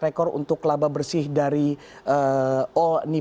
ini setengah rekor untuk laba bersih dari all nippon airlines ini